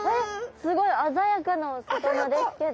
すごい鮮やかなお魚ですけど。